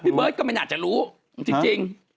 เบิร์ตก็ไม่น่าจะรู้จริง